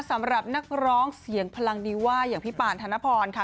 สำหรับนักร้องเสียงพลังดีว่าอย่างพี่ปานธนพรค่ะ